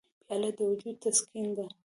پیاله د وجود تسکین ده.